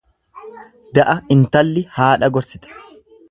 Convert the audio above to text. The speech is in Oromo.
Da'a intalli haadha gorsite.